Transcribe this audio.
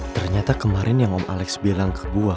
ternyata kemarin yang om alex bilang ke gue